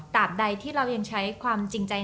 ใดที่เรายังใช้ความจริงใจ